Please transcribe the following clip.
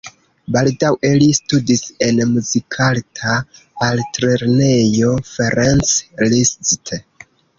Baldaŭe li studis en Muzikarta Altlernejo Ferenc Liszt.